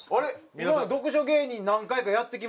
今まで読書芸人何回かやってきまして。